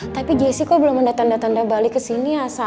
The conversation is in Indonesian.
tapi jessy kok belum ada tanda tanda balik kesini ya sa